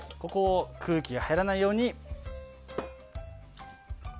空気が入らないように。